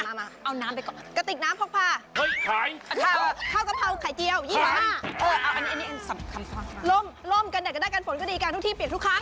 โล่งกันใดแต่ว่ายังได้กันฝนก็ดีกว่าทุกที่เปียกทุกครั้ง